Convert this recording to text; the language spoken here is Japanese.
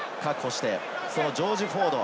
確保してジョージ・フォード。